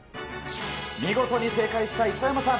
見事に正解した磯山さん。